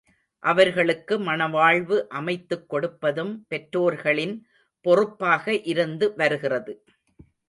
அவர்களுக்கு மணவாழ்வு அமைத்துக் கொடுப்பதும் பெற்றோர்களின் பொறுப்பாக இருந்து வருகிறது.